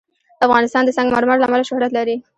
افغانستان د سنگ مرمر له امله شهرت لري.